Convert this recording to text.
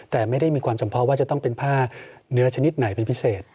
แต่ไม่ได้มีความจำเพาะว่าจะต้องเป็นผ้าเนื้อชนิดไหนเป็นพิเศษ